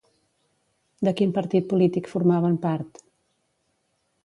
De quin partit polític formaven part?